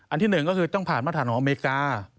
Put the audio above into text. อันที่๑ก็คือต้องผ่านมาตรฐานของอเมกา